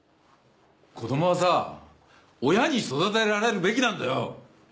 子供はさぁ親に育てられるべきなんだよ！